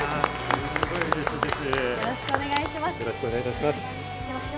すごい嬉しいです。